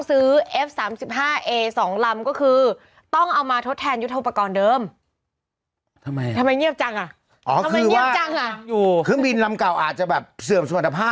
เรือดำน้ำมีอีกเครื่องบินอยู่ไหนค่ะ